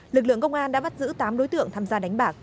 lực lượng công an đã bắt giữ tám đối tượng tham gia đánh bạc